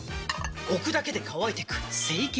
置くだけで乾いてく清潔